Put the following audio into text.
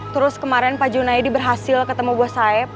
terus kemarin pak junaedi berhasil ketemu bos saip